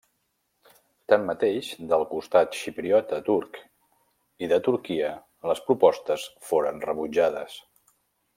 Tanmateix, del costat xipriota turc i de Turquia, les propostes foren rebutjades.